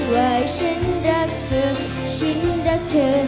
ว่าฉันรักเธอฉันรักเธอ